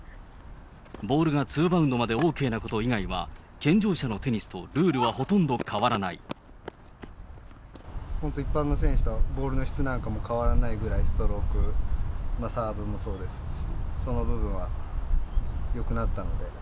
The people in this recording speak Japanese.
ボールがツーバウンドまでＯＫなこと以外は、健常者のテニスとル本当、一般の選手とボールの質なんかも変わらないぐらい、ストローク、サーブもそうですし、その部分はよくなったので。